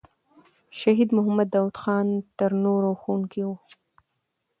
شهید محمد داود خان تر نورو ښوونکی وو.